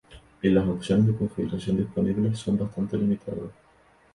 Y las opciones de configuraciones disponibles son bastante limitados.